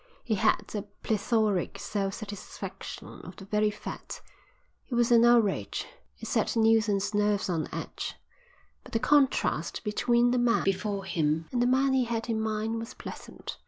He had the plethoric self satisfaction of the very fat. It was an outrage. It set Neilson's nerves on edge. But the contrast between the man before him and the man he had in mind was pleasant.